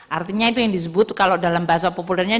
artinya itu yang disebut kalau dalam bahasa populernya